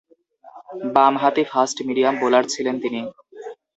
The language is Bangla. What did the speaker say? বামহাতি ফাস্ট-মিডিয়াম বোলার ছিলেন তিনি।